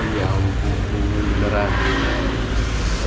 ya ampun mengerah